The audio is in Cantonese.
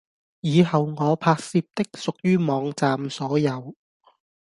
以後我拍攝的屬於網站所有